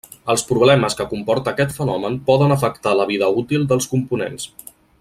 Els problemes que comporta aquest fenomen poden afectar a la vida útil dels components.